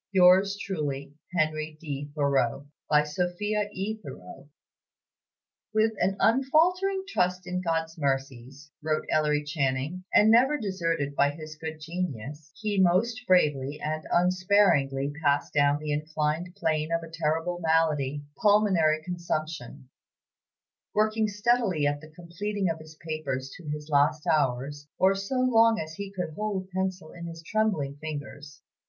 "Yours truly, HENRY D. THOREAU, "By SOPHIA E. THOREAU." "With an unfaltering trust in God's mercies," wrote Ellery Channing, "and never deserted by his good genius, he most bravely and unsparingly passed down the inclined plane of a terrible malady pulmonary consumption; working steadily at the completing of his papers to his last hours, or so long as he could hold the pencil in his trembling fingers.